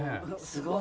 すごい。